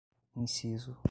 inciso